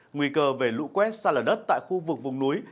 nguy cơ về lũ quét xa lở đất tại khu vực vùng núi